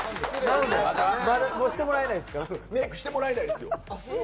メイクしてもらえないんですよ。